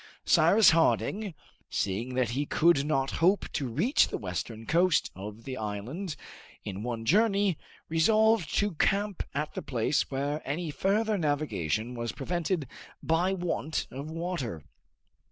Cyrus Harding, seeing that he could not hope to reach the western coast of the island in one journey, resolved to camp at the place where any further navigation was prevented by want of water.